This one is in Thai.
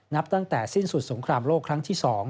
นับตั้งแต่สิ้นสุดสงครามโลกครั้งที่๒